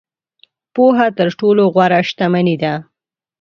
• پوهه تر ټولو غوره شتمني ده.